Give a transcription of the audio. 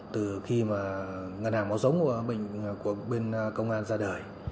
từ khi mà ngân hàng máu sống của bên công an ra đời